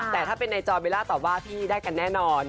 แต่ถ้าเป็นในจอยเบลล่าตอบว่าพี่ได้กันแน่นอน